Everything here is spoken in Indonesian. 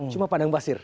cuma padang pasir